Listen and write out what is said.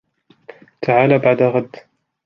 تعال بعد غد.